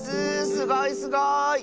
すごいすごい！